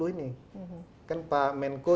empat puluh ini kan pak menko